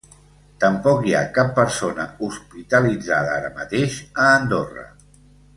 Tampoc hi ha cap persona hospitalitzada ara mateix a Andorra.